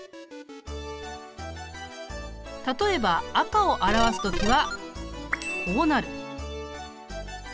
例えば赤を表す時はこうなる。